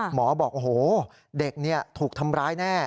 หมอบอกโอ้โหเด็กถูกทำร้ายแน่